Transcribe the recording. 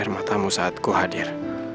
tengoklah kamu saat ku hadir